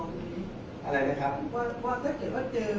แต่ว่าไม่มีปรากฏว่าถ้าเกิดคนให้ยาที่๓๑